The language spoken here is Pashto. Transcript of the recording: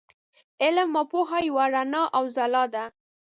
علم او پوهه یوه رڼا او ځلا ده.